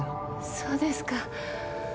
そうですか。